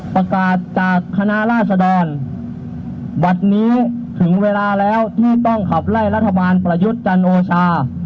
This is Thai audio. ประกาศจากคณะราษดรบัตรนี้ถึงเวลาแล้วที่ต้องขับไล่รัฐบาลประยุทธ์จันโอชา